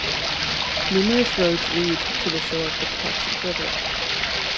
Numerous roads lead to the shore of the Patuxent River.